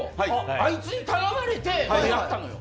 あいつに頼まれてやったのよ。